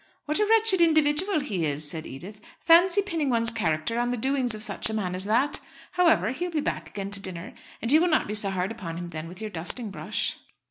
"What a wretched individual he is," said Edith. "Fancy pinning one's character on the doings of such a man as that. However, he will be back again to dinner, and you will not be so hard upon him then with your dusting brush."